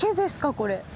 これ。